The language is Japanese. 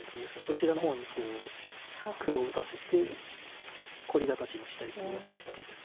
そちらの方にこう黒を打たせて凝り形にしたいというような打ち方です。